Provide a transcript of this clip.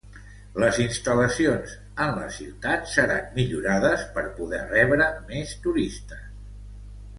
Les instal·lacions en la ciutat seran millorades per poder rebre més turistes.